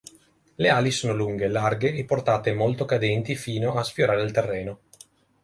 Le ali sono lunghe, larghe e portate molto cadenti fino a sfiorare il terreno.